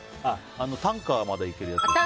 タンカーまでいけるやつ？